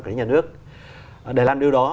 quản lý nhà nước để làm điều đó